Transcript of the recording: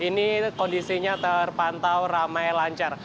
ini kondisinya terpantau ramai lancar